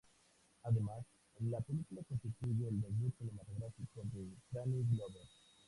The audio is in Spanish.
Además, la película constituye el debut cinematográfico de Danny Glover.